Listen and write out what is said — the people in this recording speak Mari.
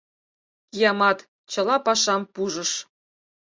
Киямат, чыла пашам пужыш...